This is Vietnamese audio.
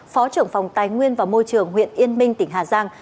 phó trưởng phòng tài nguyên và môi trường huyện yên minh tỉnh hà giang